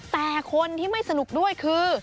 แต่คนที่ไม่สนุกด้วยคือ